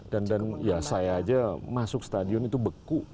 dan saya saja masuk stadion itu beku